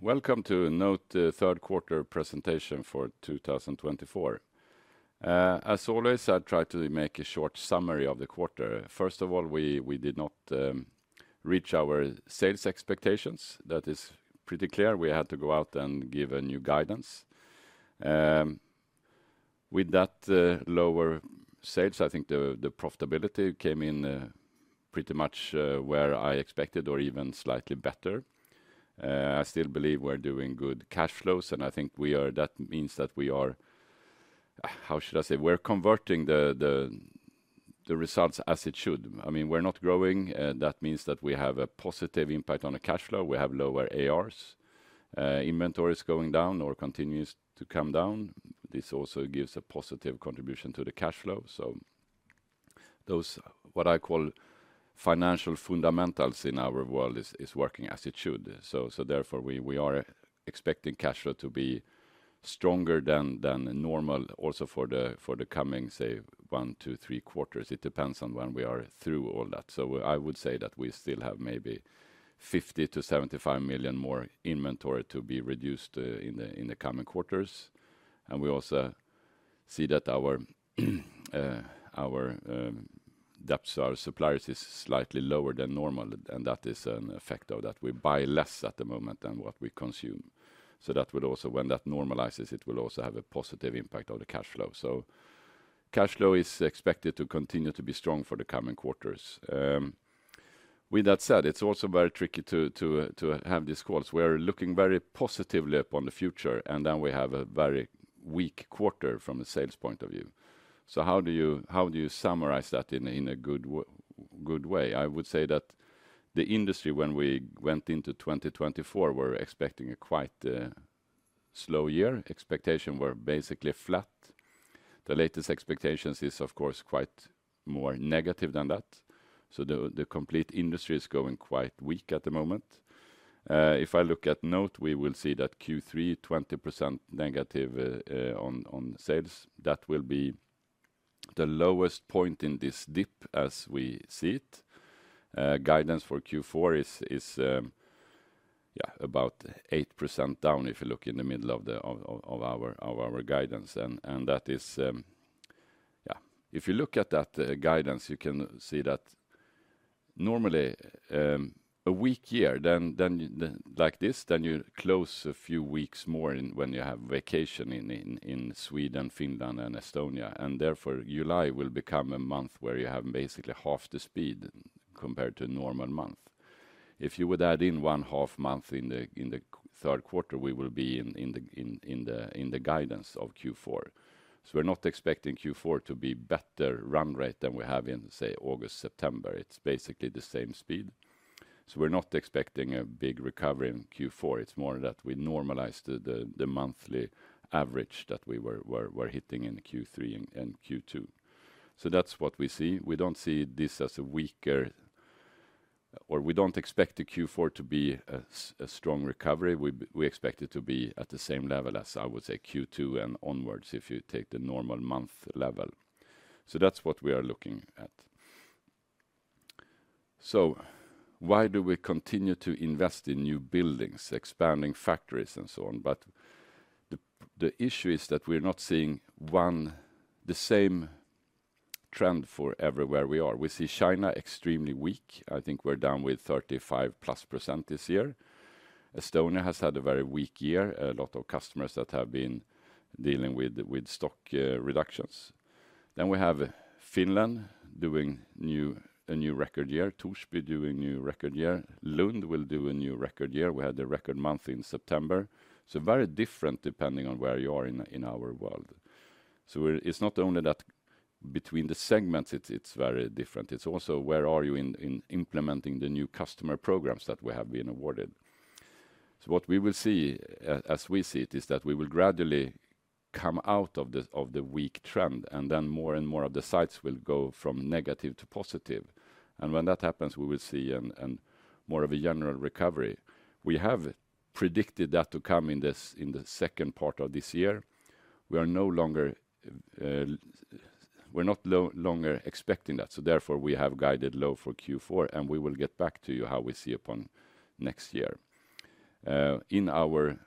Welcome to NOTE Q3 Presentation for 2024. As always, I'll try to make a short summary of the quarter. First of all, we did not reach our sales expectations. That is pretty clear. We had to go out and give a new guidance. With that, lower sales, I think the profitability came in pretty much where I expected or even slightly better. I still believe we're doing good cash flows, and I think we are, that means that we are, how should I say? We're converting the results as it should. I mean, we're not growing, that means that we have a positive impact on the cash flow. We have lower ARs. Inventory is going down or continues to come down. This also gives a positive contribution to the cash flow. Those, what I call financial fundamentals in our world, is working as it should. Therefore, we are expecting cash flow to be stronger than normal, also for the coming, say, one to three quarters. It depends on when we are through all that. I would say that we still have maybe 50-75 million SEK more inventory to be reduced in the coming quarters. We also see that our debts to our suppliers is slightly lower than normal, and that is an effect of that. We buy less at the moment than what we consume. That would also, when that normalizes, it will also have a positive impact on the cash flow. Cash flow is expected to continue to be strong for the coming quarters. With that said, it's also very tricky to have these calls. We are looking very positively upon the future, and then we have a very weak quarter from a sales point of view. So how do you summarize that in a good way? I would say that the industry, when we went into 2024, were expecting a quite slow year. Expectation were basically flat. The latest expectations is, of course, quite more negative than that, so the complete industry is going quite weak at the moment. If I look at NOTE, we will see that Q3, 20% negative on sales. That will be the lowest point in this dip as we see it. Guidance for Q4 is about 8% down, if you look in the middle of our guidance. If you look at that guidance, you can see that normally, a weak year, you close a few weeks more in when you have vacation in Sweden, Finland, and Estonia, and therefore, July will become a month where you have basically half the speed compared to a normal month. If you would add in one half month in the Q3, we will be in the guidance of Q4. So we're not expecting Q4 to be better run rate than we have in, say, August, September. It's basically the same speed. So we're not expecting a big recovery in Q4. It's more that we normalize the monthly average that we're hitting in Q3 and Q2. So that's what we see. We don't see this as a weaker, or we don't expect the Q4 to be a strong recovery. We expect it to be at the same level as, I would say, Q2 and onwards, if you take the normal month level. So that's what we are looking at. So why do we continue to invest in new buildings, expanding factories, and so on? But the issue is that we're not seeing one, the same trend for everywhere we are. We see China extremely weak. I think we're down 35% plus this year. Estonia has had a very weak year, a lot of customers that have been dealing with stock reductions. Then we have Finland doing a new record year, Torsby doing a new record year. Lund will do a new record year. We had a record month in September. So very different depending on where you are in our world. So it is not only that between the segments, it is very different. It is also where you are in implementing the new customer programs that we have been awarded. So what we will see, as we see it, is that we will gradually come out of the weak trend, and then more and more of the sites will go from negative to positive. And when that happens, we will see a more general recovery. We have predicted that to come in this, in the second part of this year. We are no longer, we're not longer expecting that, so therefore, we have guided low for Q4, and we will get back to you how we see upon next year. In our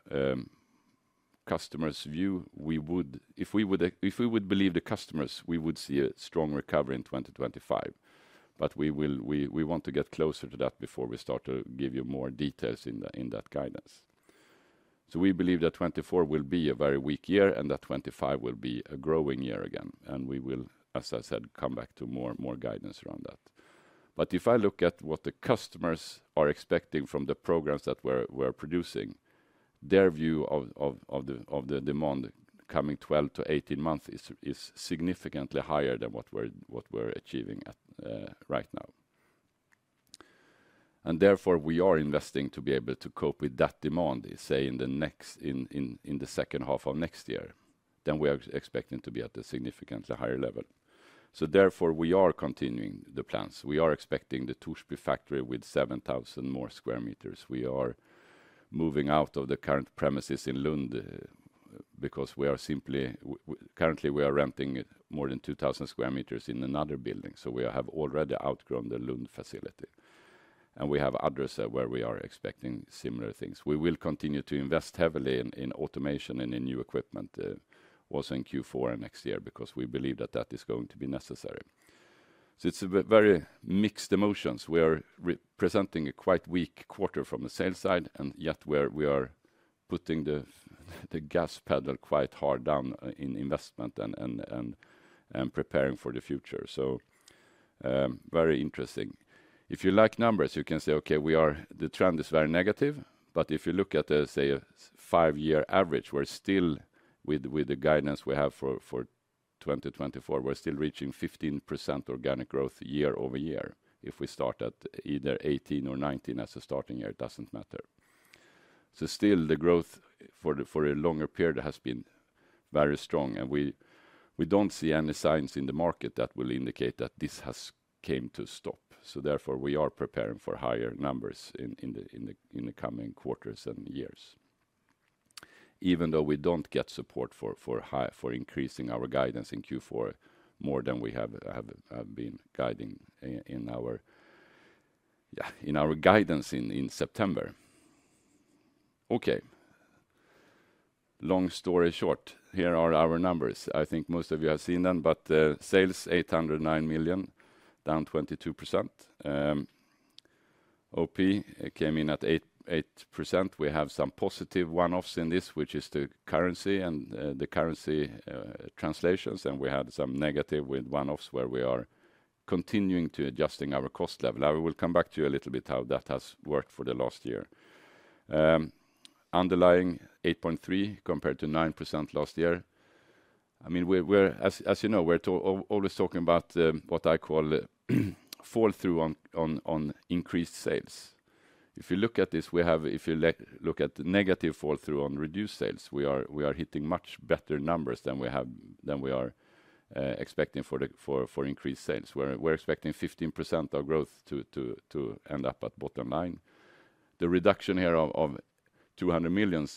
customer's view, we would if we would believe the customers, we would see a strong recovery in 2025. But we will, we want to get closer to that before we start to give you more details in that guidance. So we believe that 2024 will be a very weak year and that 2025 will be a growing year again, and we will, as I said, come back to more guidance around that. But if I look at what the customers are expecting from the programs that we're producing, their view of the demand coming 12-18 months is significantly higher than what we're achieving at right now. And therefore, we are investing to be able to cope with that demand, say, in the second half of next year, then we are expecting to be at a significantly higher level. So therefore, we are continuing the plans. We are expecting the Torsby factory with 7,000 more square meters. We are moving out of the current premises in Lund. Because we are simply currently, we are renting more than 2,000 square meters in another building, so we have already outgrown the Lund facility, and we have others where we are expecting similar things. We will continue to invest heavily in automation and in new equipment also in Q4 and next year, because we believe that that is going to be necessary. So it's a very mixed emotions. We are presenting a quite weak quarter from the sales side, and yet we're we are putting the gas pedal quite hard down in investment and preparing for the future. So very interesting. If you like numbers, you can say, "Okay, we are the trend is very negative." But if you look at say a five-year average, we're still with the guidance we have for 2024, we're still reaching 15% organic growth year-over-year, if we start at either 2018 or 2019 as a starting year, it doesn't matter. Still, the growth for a longer period has been very strong, and we don't see any signs in the market that will indicate that this has came to stop. Therefore, we are preparing for higher numbers in the coming quarters and years. Even though we don't get support for increasing our guidance in Q4 more than we have been guiding in our guidance in September. Okay. Long story short, here are our numbers. I think most of you have seen them, but sales, 809 million, down 22%. OP came in at 8%. We have some positive one-offs in this, which is the currency and the currency translations, and we had some negative with one-offs, where we are continuing to adjusting our cost level. I will come back to you a little bit how that has worked for the last year. Underlying 8.3, compared to 9% last year. I mean, we're, as you know, we're always talking about what I call fall-through on increased sales. If you look at this, we have if you look at the negative fall-through on reduced sales, we are hitting much better numbers than we have, than we are expecting for increased sales. We're expecting 15% of growth to end up at bottom line. The reduction here of 200 million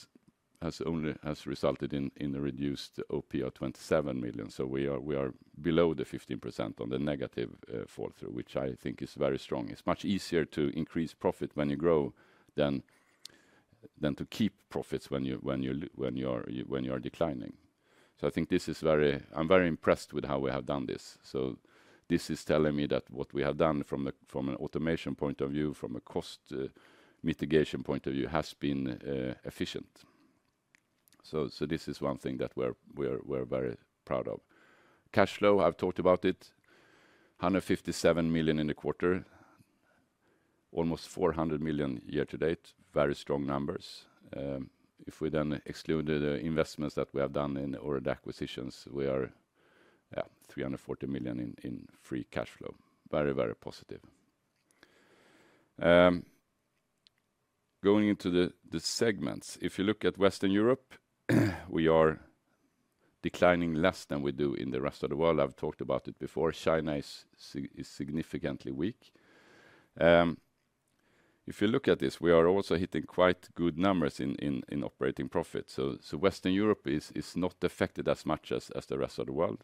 has only resulted in a reduced OP of 27 million. So we are below the 15% on the negative fall-through, which I think is very strong. It's much easier to increase profit when you grow than to keep profits when you are declining. So I think this is very. I'm very impressed with how we have done this. So this is telling me that what we have done from an automation point of view, from a cost mitigation point of view, has been efficient. So this is one thing that we're very proud of. Cash flow, I've talked about it. 157 million in the quarter, almost 400 million year to date, very strong numbers. If we then exclude the investments that we have done in other acquisitions, we are, yeah, 340 million in free cash flow. Very positive. Going into the segments, if you look at Western Europe, we are declining less than we do in the Rest of the World. I've talked about it before. China is significantly weak. If you look at this, we are also hitting quite good numbers in operating profits. So Western Europe is not affected as much as the Rest of the World.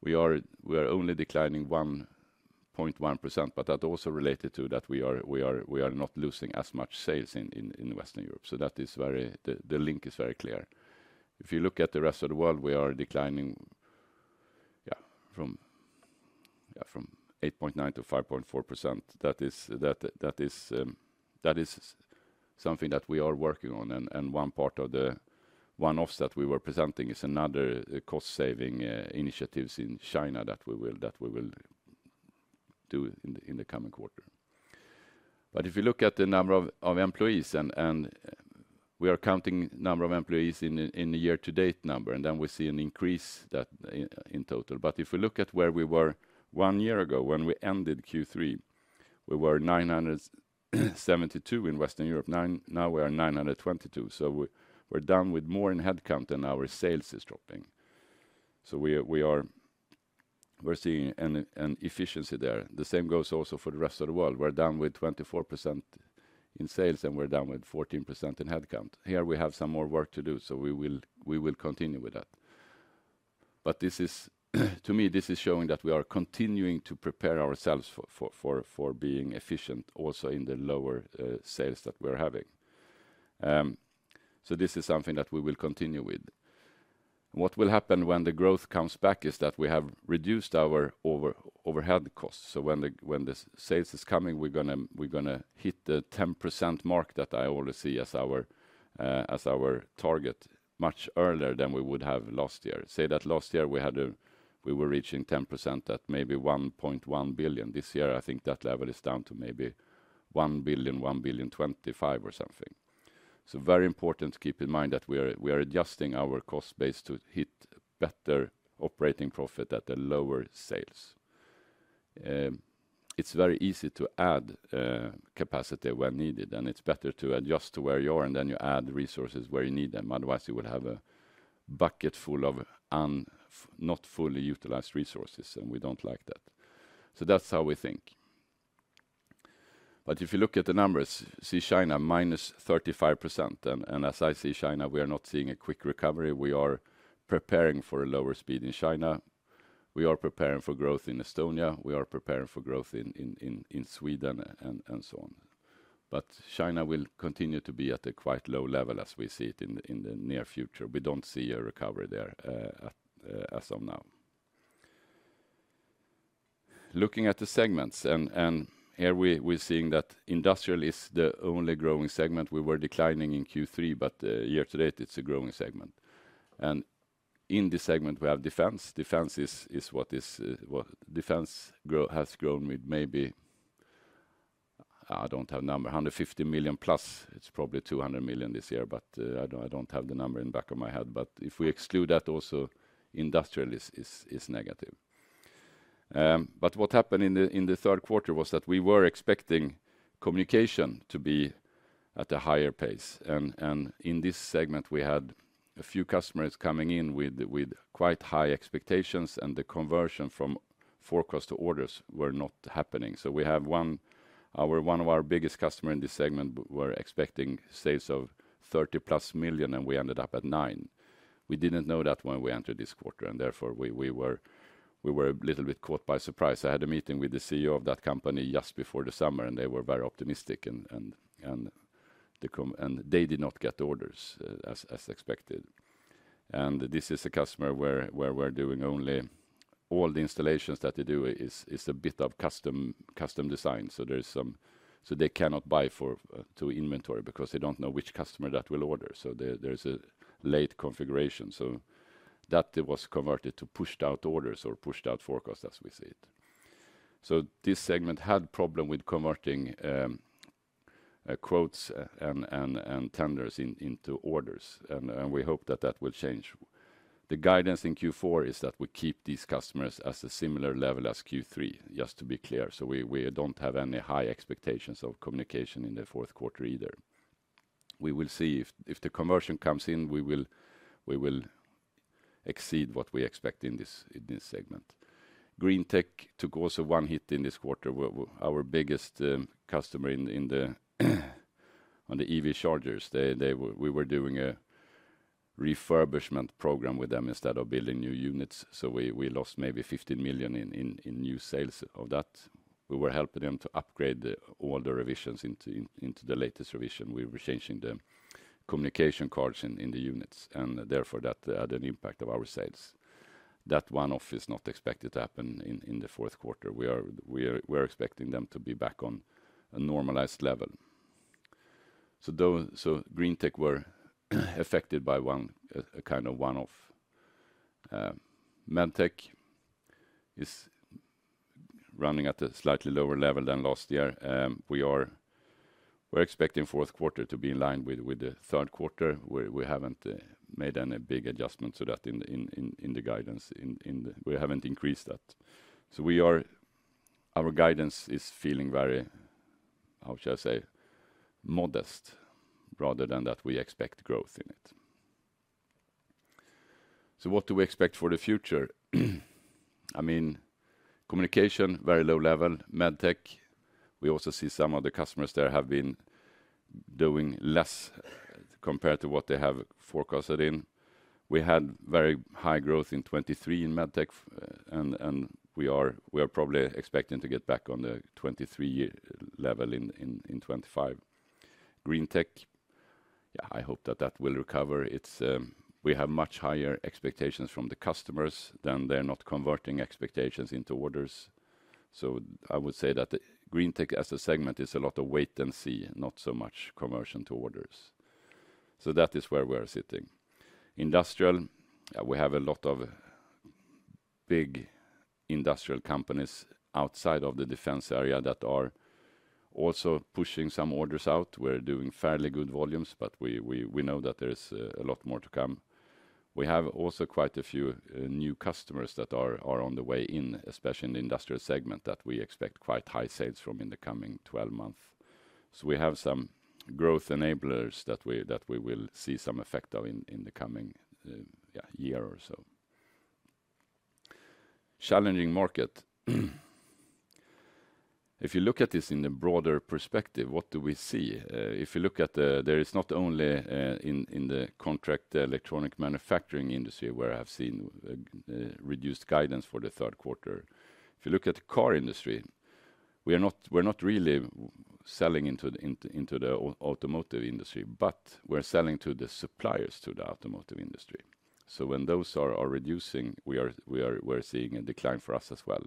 We are only declining 1.1%, but that also related to that we are not losing as much sales in Western Europe. So that is very. The link is very clear. If you look at the Rest of the World, we are declining, yeah, from 8.9% to 5.4%. That is something that we are working on, and one part of the one-offs that we were presenting is another cost-saving initiatives in China that we will do in the coming quarter, but if you look at the number of employees, and we are counting number of employees in the year to date number, and then we see an increase in total, but if we look at where we were one year ago, when we ended Q3, we were 972 in Western Europe. Now we are 922. So we're down with more in headcount than our sales is dropping. So we are, we're seeing an efficiency there. The same goes also for the Rest of the World. We're down with 24% in sales, and we're down with 14% in headcount. Here, we have some more work to do, so we will continue with that. But this is, to me, this is showing that we are continuing to prepare ourselves for being efficient, also in the lower sales that we're having. So this is something that we will continue with. What will happen when the growth comes back is that we have reduced our overhead costs. So when the sales is coming, we're gonna hit the 10% mark that I already see as our target, much earlier than we would have last year. Say that last year, we were reaching 10% at maybe 1.1 billion. This year, I think that level is down to maybe 1 billion, 1.025 billion or something. So very important to keep in mind that we are adjusting our cost base to hit better operating profit at the lower sales. It's very easy to add capacity when needed, and it's better to adjust to where you are, and then you add resources where you need them. Otherwise, you would have a bucket full of not fully utilized resources, and we don't like that. So that's how we think. But if you look at the numbers, see China minus 35%, and as I see China, we are not seeing a quick recovery. We are preparing for a lower speed in China. We are preparing for growth in Estonia, we are preparing for growth in Sweden, and so on. But China will continue to be at a quite low level as we see it in the near future. We don't see a recovery there, as of now. Looking at the segments, and here we're seeing that industrial is the only growing segment. We were declining in Q3, but year to date, it's a growing segment. And in this segment, we have defense. Defense is what has grown with maybe, I don't have number, 150 million plus. It's probably 200 million this year, but I don't have the number in back of my head. But if we exclude that also, industrial is negative. But what happened in the Q3 was that we were expecting communication to be at a higher pace, and in this segment, we had a few customers coming in with quite high expectations, and the conversion from forecast to orders were not happening. So we have one of our biggest customer in this segment were expecting sales of 30+ million, and we ended up at 9 million. We didn't know that when we entered this quarter, and therefore, we were a little bit caught by surprise. I had a meeting with the CEO of that company just before the summer, and they were very optimistic, and they did not get the orders as expected, and this is a customer where we're doing only all the installations that they do is a bit of custom design, so they cannot buy for to inventory because they don't know which customer that will order, so there is a late configuration. That was converted to pushed out orders or pushed out forecasts, as we see it, so this segment had problem with converting quotes and tenders into orders, and we hope that that will change. The guidance in Q4 is that we keep these customers as a similar level as Q3, just to be clear. We don't have any high expectations of communication in the Q4 either. We will see if the conversion comes in. We will exceed what we expect in this segment. Greentech took also one hit in this quarter, where our biggest customer in the EV chargers, they were. We were doing a refurbishment program with them instead of building new units, so we lost maybe 15 million in new sales of that. We were helping them to upgrade the older revisions into the latest revision. We were changing the communication cards in the units, and therefore, that had an impact of our sales. That one-off is not expected to happen in the Q4. We are expecting them to be back on a normalized level. So Greentech were affected by one, a kind of one-off. Medtech is running at a slightly lower level than last year. We are, we're expecting Q4 to be in line with the Q3. We haven't made any big adjustments to that in the guidance. We haven't increased that. So our guidance is feeling very, how should I say, modest, rather than that we expect growth in it. So what do we expect for the future? I mean, communication, very low level. Medtech, we also see some of the customers there have been doing less compared to what they have forecasted in. We had very high growth in 2023 in Medtech, and we are probably expecting to get back on the 2023 year level in 2025. Greentech, yeah, I hope that that will recover. It's we have much higher expectations from the customers than they're not converting expectations into orders. So I would say that Greentech, as a segment, is a lot of wait and see, not so much conversion to orders. So that is where we are sitting. Industrial, we have a lot of big industrial companies outside of the defense area that are also pushing some orders out. We're doing fairly good volumes, but we know that there is a lot more to come. We have also quite a few new customers that are on the way in, especially in the industrial segment, that we expect quite high sales from in the coming 12 months. So we have some growth enablers that we will see some effect of in the coming year or so. Challenging market. If you look at this in a broader perspective, what do we see? There is not only in the contract electronic manufacturing industry where I've seen reduced guidance for the Q3. If you look at the car industry, we're not really selling into the automotive industry, but we're selling to the suppliers to the automotive industry. So when those are reducing, we're seeing a decline for us as well.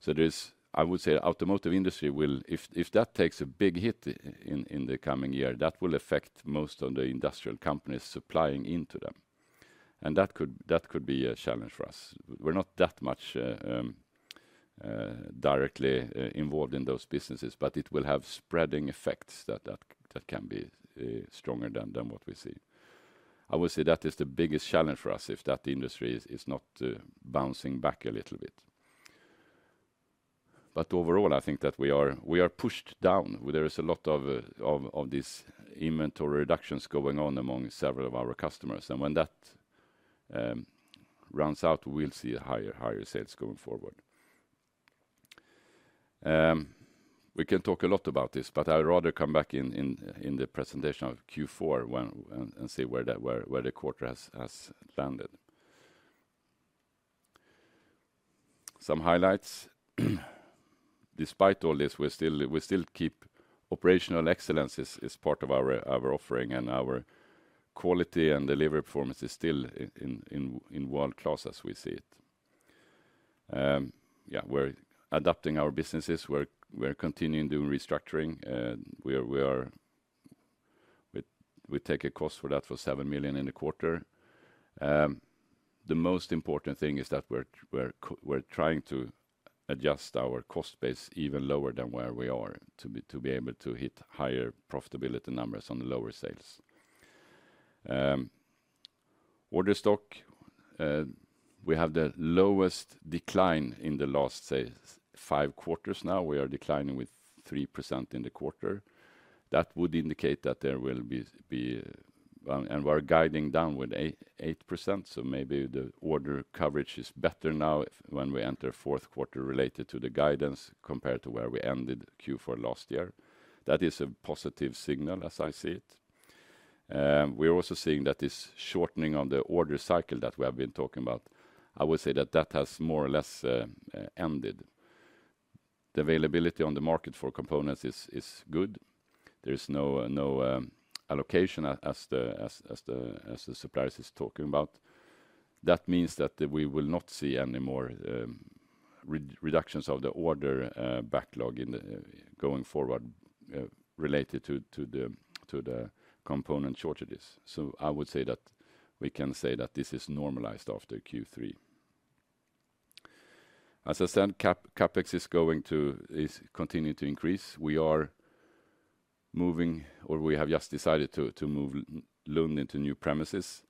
So there's, I would say, automotive industry will. If that takes a big hit in the coming year, that will affect most of the industrial companies supplying into them, and that could be a challenge for us. We're not that much directly involved in those businesses, but it will have spreading effects that can be stronger than what we see. I would say that is the biggest challenge for us, if that industry is not bouncing back a little bit. But overall, I think that we are pushed down. There is a lot of this inventory reductions going on among several of our customers, and when that runs out, we'll see higher sales going forward. We can talk a lot about this, but I would rather come back in the presentation of Q4 when and see where the quarter has landed. Some highlights: despite all this, we still keep operational excellence is part of our offering, and our quality and delivery performance is still world-class, as we see it. Yeah, we're adapting our businesses. We're continuing doing restructuring, we take a cost for that for 7 million in the quarter. The most important thing is that we're trying to adjust our cost base even lower than where we are, to be able to hit higher profitability numbers on the lower sales. Order stock, we have the lowest decline in the last, say, five quarters now. We are declining with 3% in the quarter. That would indicate that there will be, and we're guiding down with 8%, so maybe the order coverage is better now when we enter Q4 related to the guidance, compared to where we ended Q4 last year. That is a positive signal, as I see it. We're also seeing that this shortening of the order cycle that we have been talking about, I would say that has more or less ended. The availability on the market for components is good. There is no allocation as the suppliers is talking about. That means that we will not see any more reductions of the order backlog going forward related to the component shortages. So I would say that we can say that this is normalized after Q3. As I said, CapEx is continuing to increase. We are moving, or we have just decided to move Lund into new premises.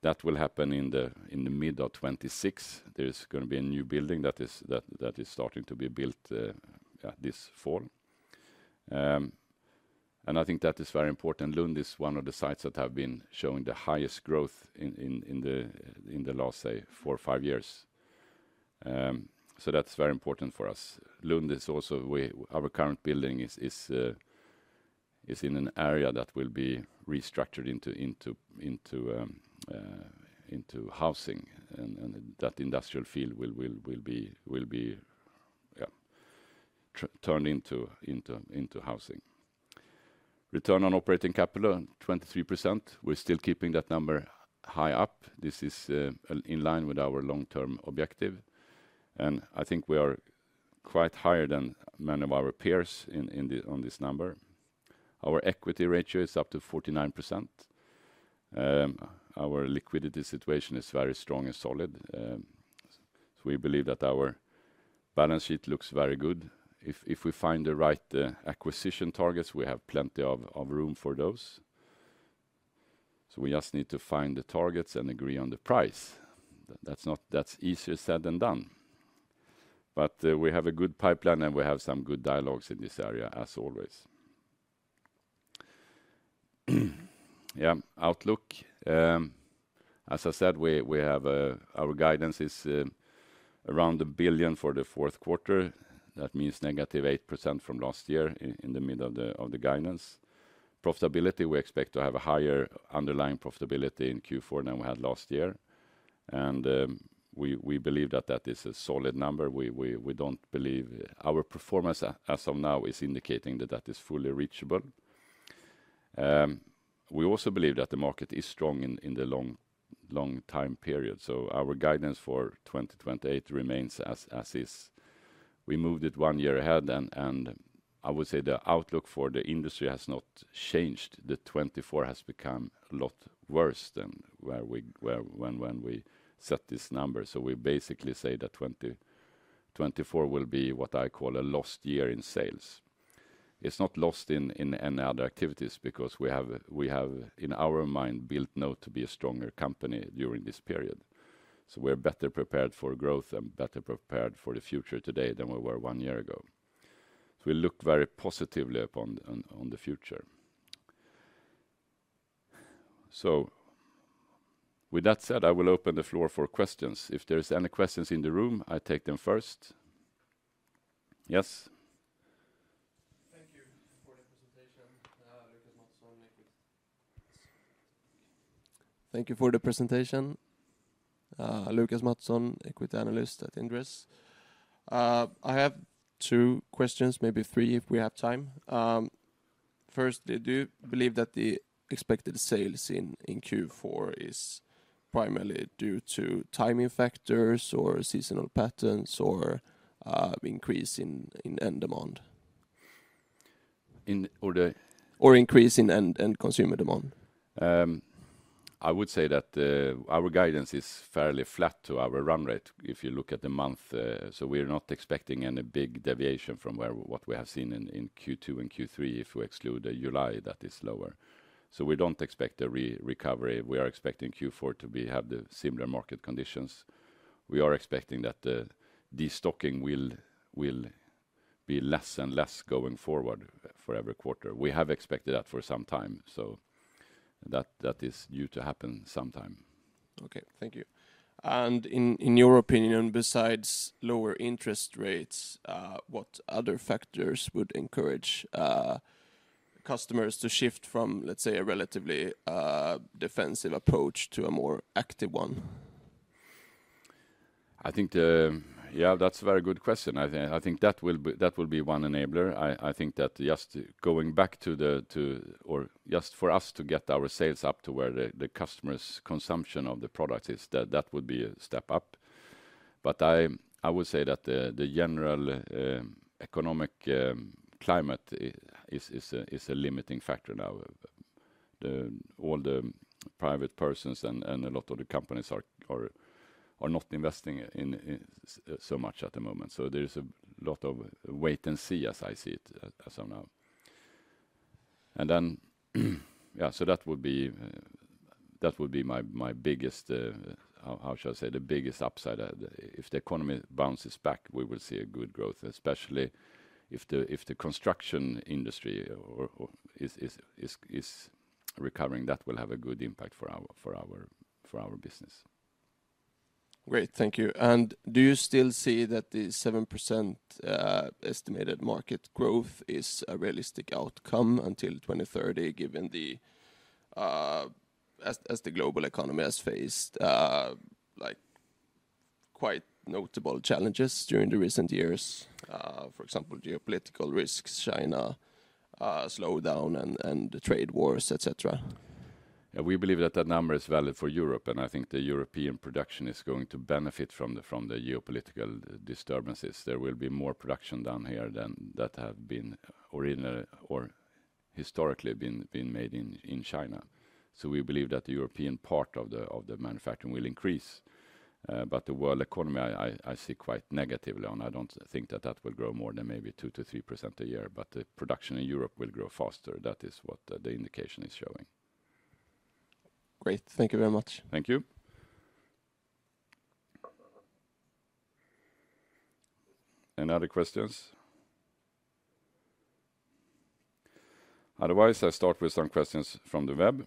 That will happen in the mid of 2026. There is going to be a new building that is starting to be built this fall, and I think that is very important. Lund is one of the sites that have been showing the highest growth in the last, say, four or five years, so that's very important for us. Lund is also where our current building is in an area that will be restructured into housing, and that industrial field will be turned into housing. Return on operating capital, 23%. We're still keeping that number high up. This is in line with our long-term objective, and I think we are quite higher than many of our peers on this number. Our equity ratio is up to 49%. Our liquidity situation is very strong and solid. So we believe that our balance sheet looks very good. If we find the right acquisition targets, we have plenty of room for those. So we just need to find the targets and agree on the price. That's easier said than done. But we have a good pipeline, and we have some good dialogues in this area, as always. Yeah, outlook. As I said, we have our guidance is around 1 billion for the Q4. That means negative 8% from last year in the middle of the guidance. Profitability, we expect to have a higher underlying profitability in Q4 than we had last year, and we believe that that is a solid number. We don't believe. Our performance as of now is indicating that that is fully reachable. We also believe that the market is strong in the long time period, so our guidance for 2028 remains as is. We moved it one year ahead, and I would say the outlook for the industry has not changed. The 2024 has become a lot worse than where when we set this number. So we basically say that 2024 will be what I call a lost year in sales. It's not lost in any other activities because we have, in our mind, built NOTE to be a stronger company during this period. So we're better prepared for growth and better prepared for the future today than we were one year ago. So we look very positively upon the future. So with that said, I will open the floor for questions. If there is any questions in the room, I take them first. Yes? Thank you for the presentation. Lucas Mattsson, Equity Analyst at Inderes. I have two questions, maybe three, if we have time. First, do you believe that the expected sales in Q4 is primarily due to timing factors, or seasonal patterns, or increase in end demand? In order- Or increase in end consumer demand. I would say that our guidance is fairly flat to our run rate if you look at the month. So we are not expecting any big deviation from what we have seen in Q2 and Q3, if we exclude the July, that is lower. So we don't expect a recovery. We are expecting Q4 to have similar market conditions. We are expecting that the destocking will be less and less going forward for every quarter. We have expected that for some time, so that is due to happen sometime. Okay, thank you. And in your opinion, besides lower interest rates, what other factors would encourage customers to shift from, let's say, a relatively defensive approach to a more active one? Yeah, that's a very good question. I think that will be one enabler. I think that just going back to the, or just for us to get our sales up to where the customer's consumption of the product is, that would be a step up. But I would say that the general economic climate is a limiting factor now. All the private persons and a lot of the companies are not investing in so much at the moment. So there is a lot of wait and see, as I see it as of now. Yeah, so that would be my biggest, how should I say, the biggest upside. If the economy bounces back, we will see a good growth, especially if the construction industry is recovering, that will have a good impact for our business. Great, thank you. And do you still see that the 7% estimated market growth is a realistic outcome until 2030, given the, as the global economy has faced, like quite notable challenges during the recent years? For example, geopolitical risks, China slowdown, and the trade wars, et cetera. Yeah, we believe that that number is valid for Europe, and I think the European production is going to benefit from the geopolitical disturbances. There will be more production down here than that have been originally or historically been made in China. So we believe that the European part of the manufacturing will increase, but the world economy I see quite negatively, and I don't think that that will grow more than maybe 2-3% a year, but the production in Europe will grow faster. That is what the indication is showing. Great. Thank you very much. Thank you. Any other questions? Otherwise, I start with some questions from the web.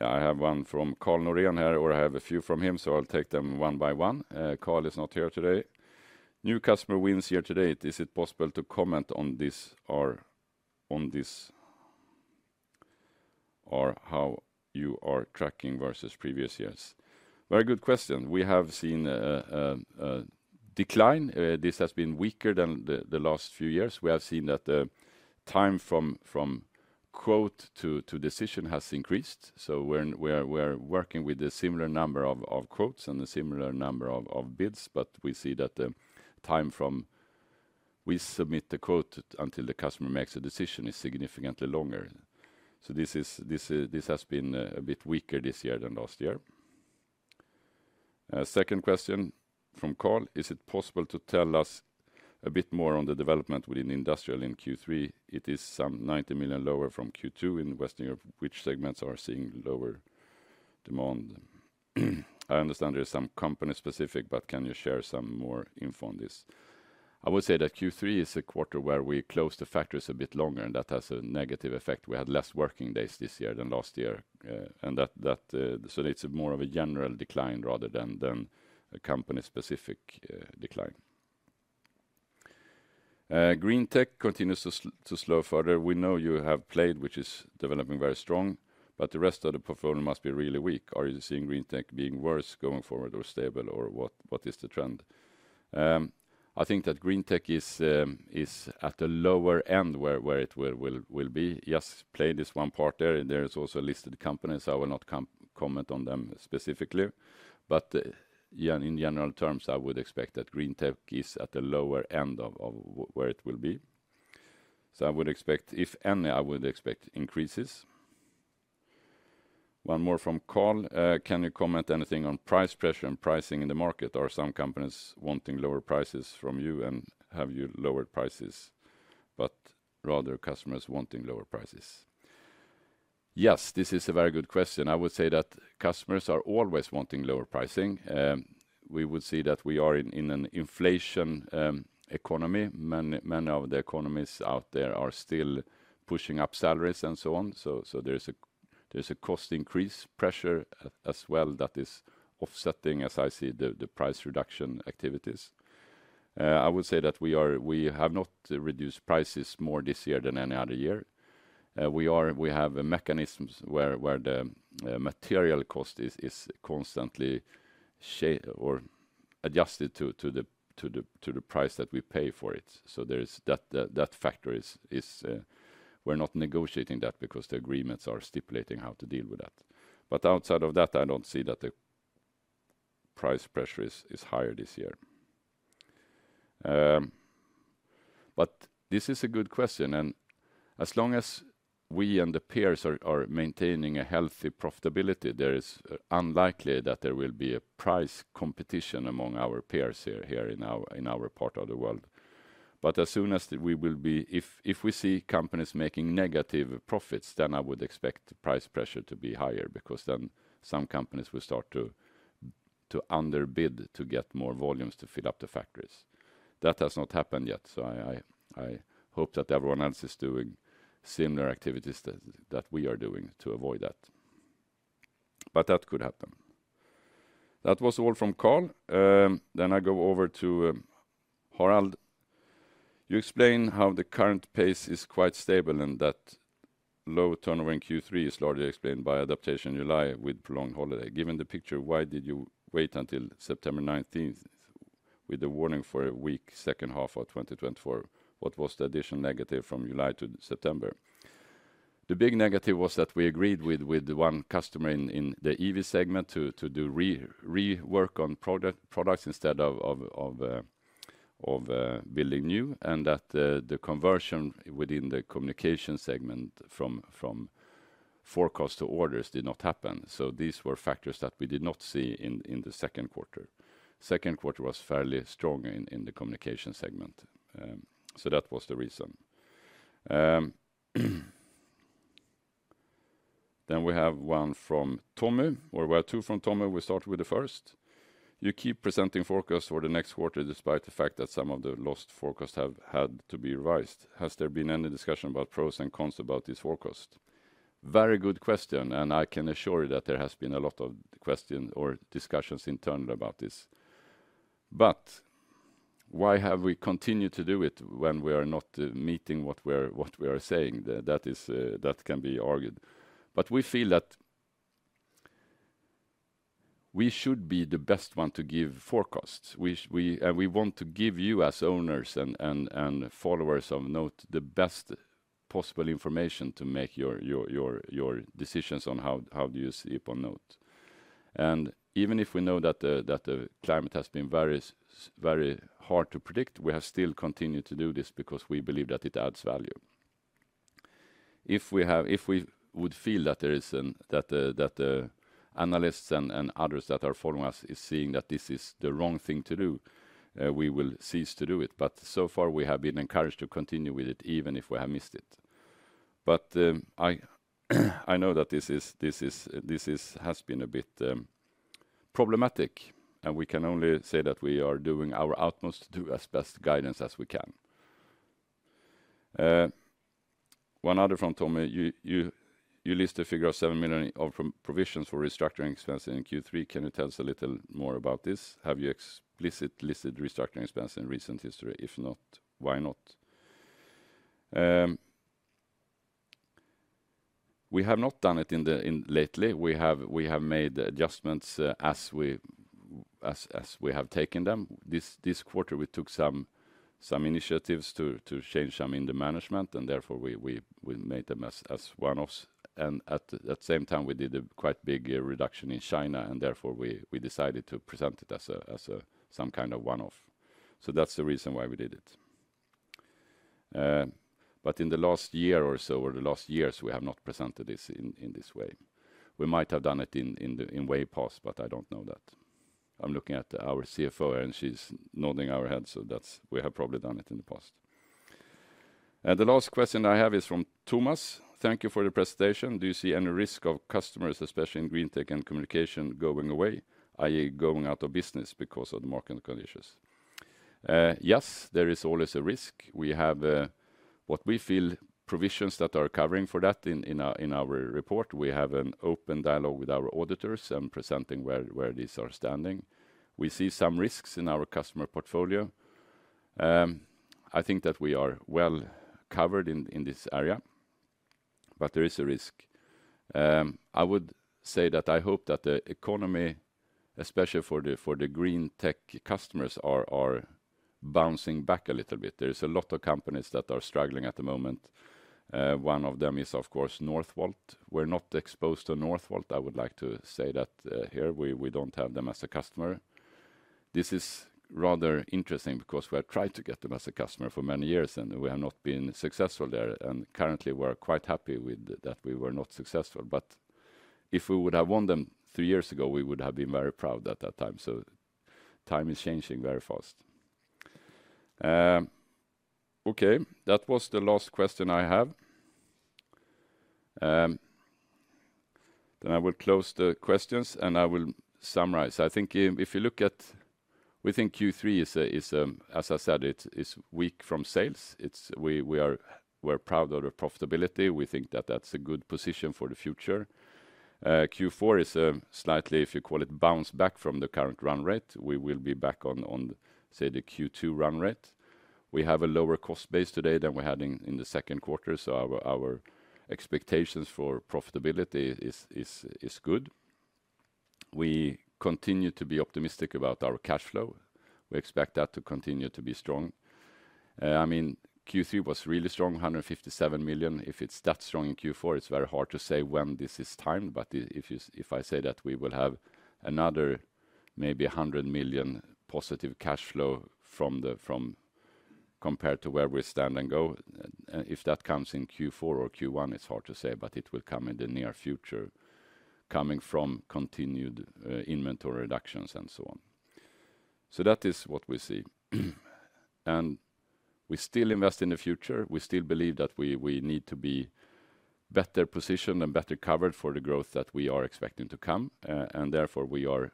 Yeah, I have one from Karl Norén here, or I have a few from him, so I'll take them one by one. Karl is not here today. "New customer wins here today, is it possible to comment on this or on this, or how you are tracking versus previous years?" Very good question. We have seen a decline. This has been weaker than the last few years. We have seen that the time from quote to decision has increased, so we're working with a similar number of quotes and a similar number of bids, but we see that the time from we submit the quote until the customer makes a decision is significantly longer. This has been a bit weaker this year than last year. Second question from Karl: "Is it possible to tell us a bit more on the development within industrial in Q3? It is some 90 million lower from Q2 in Western Europe. Which segments are seeing lower demand? I understand there is some company-specific, but can you share some more info on this?" I would say that Q3 is a quarter where we close the factories a bit longer, and that has a negative effect. We had less working days this year than last year, and that... So it's more of a general decline rather than a company-specific decline. "Greentech continues to slow further. We know you have Plejd, which is developing very strong, but the rest of the portfolio must be really weak. Are you seeing Greentech being worse going forward or stable, or what is the trend?" I think that Greentech is at the lower end where it will be. Just Plejd, this one part there, and there is also a listed company, so I will not comment on them specifically. But yeah, in general terms, I would expect that Greentech is at the lower end of where it will be. So I would expect, if any, I would expect increases. One more from Karl: "Can you comment anything on price pressure and pricing in the market? Are some companies wanting lower prices from you, and have you lowered prices, but rather customers wanting lower prices?" Yes, this is a very good question. I would say that customers are always wanting lower pricing. We would see that we are in an inflation economy. Many of the economies out there are still pushing up salaries and so on. So there is a cost increase pressure as well that is offsetting, as I see, the price reduction activities. I would say that we have not reduced prices more this year than any other year. We have mechanisms where the material cost is constantly adjusted to the price that we pay for it. So there is that factor. We're not negotiating that because the agreements are stipulating how to deal with that. But outside of that, I don't see that the price pressure is higher this year. But this is a good question, and as long as we and the peers are maintaining a healthy profitability, there is unlikely that there will be a price competition among our peers here in our part of the world. But as soon as we will be if we see companies making negative profits, then I would expect the price pressure to be higher, because then some companies will start to underbid to get more volumes to fill up the factories. That has not happened yet, so I hope that everyone else is doing similar activities that we are doing to avoid that. But that could happen. That was all from Karl. Then I go over to Harald. You explain how the current pace is quite stable and that low turnover in Q3 is largely explained by adaptation in July with prolonged holiday. Given the picture, why did you wait until September nineteenth with the warning for a weak second half of 2024? What was the additional negative from July to September? The big negative was that we agreed with the one customer in the EV segment to do rework on products instead of building new, and that the conversion within the communication segment from forecast to orders did not happen. These were factors that we did not see in the Q2. Q2 was fairly strong in the communication segment. So that was the reason. Then we have one from Tommy, or well, two from Tommy. We start with the first. You keep presenting forecasts for the next quarter, despite the fact that some of the lost forecasts have had to be revised. Has there been any discussion about pros and cons about this forecast? Very good question, and I can assure you that there has been a lot of question or discussions internally about this. But why have we continued to do it when we are not meeting what we are saying? That is, that can be argued. But we feel that we should be the best one to give forecasts. We, and we want to give you, as owners and followers of NOTE, the best possible information to make your decisions on how to use the NOTE, and even if we know that the climate has been very hard to predict, we have still continued to do this because we believe that it adds value. If we would feel that there is that the analysts and others that are following us is seeing that this is the wrong thing to do, we will cease to do it, but so far, we have been encouraged to continue with it, even if we have missed it. But, I know that this has been a bit problematic, and we can only say that we are doing our utmost to do as best guidance as we can. One other from Tommy. You list a figure of 7 million of provisions for restructuring expenses in Q3. Can you tell us a little more about this? Have you explicitly listed restructuring expense in recent history? If not, why not? We have not done it lately. We have made adjustments as we have taken them. This quarter, we took some initiatives to change some in the management, and therefore, we made them as one-offs. And at the same time, we did a quite big reduction in China, and therefore, we decided to present it as some kind of one-off. So that's the reason why we did it. But in the last year or so, or the last years, we have not presented this in this way. We might have done it in the way past, but I don't know that. I'm looking at our CFO, and she's nodding her head, so that's. We have probably done it in the past. And the last question I have is from Thomas: Thank you for your presentation. Do you see any risk of customers, especially in Greentech and communication, going away, i.e., going out of business because of the market conditions? Yes, there is always a risk. We have what we feel provisions that are covering for that in our report. We have an open dialogue with our auditors and presenting where these are standing. We see some risks in our customer portfolio. I think that we are well covered in this area, but there is a risk. I would say that I hope that the economy, especially for the Greentech customers, are bouncing back a little bit. There is a lot of companies that are struggling at the moment. One of them is, of course, Northvolt. We're not exposed to Northvolt. I would like to say that here we don't have them as a customer. This is rather interesting because we have tried to get them as a customer for many years, and we have not been successful there, and currently, we're quite happy with that we were not successful. But if we would have won them three years ago, we would have been very proud at that time. So time is changing very fast. Okay, that was the last question I have. Then I will close the questions, and I will summarize. I think if you look at... We think Q3 is, as I said, it is weak from sales. We're proud of the profitability. We think that that's a good position for the future. Q4 is slightly, if you call it, bounce back from the current run rate. We will be back on, say, the Q2 run rate. We have a lower cost base today than we had in the Q2, so our expectations for profitability is good. We continue to be optimistic about our cash flow. We expect that to continue to be strong. I mean, Q3 was really strong, 157 million SEK. If it's that strong in Q4, it's very hard to say when this is timed, but if you, if I say that we will have another maybe 100 million SEK positive cash flow from the compared to where we stand, if that comes in Q4 or Q1, it's hard to say, but it will come in the near future, coming from continued inventory reductions and so on. So that is what we see. And we still invest in the future. We still believe that we need to be better positioned and better covered for the growth that we are expecting to come, and therefore, we are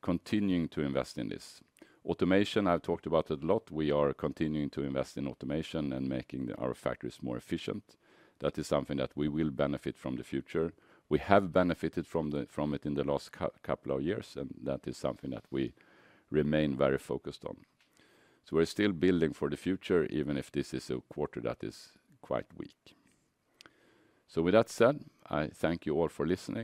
continuing to invest in this. Automation. I've talked about it a lot. We are continuing to invest in automation and making our factories more efficient. That is something that we will benefit from in the future. We have benefited from it in the last couple of years, and that is something that we remain very focused on. We're still building for the future, even if this is a quarter that is quite weak. With that said, I thank you all for listening.